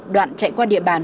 đoạn chạy qua địa bàn